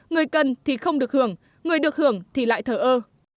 người cần thì không được hưởng người được hưởng thì lại thở ơ